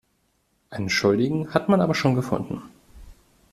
Einen Schuldigen hat man aber schon gefunden.